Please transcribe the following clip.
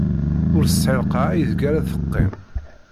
Ur tesɛi lqaɛa ideg ar ad teqqim.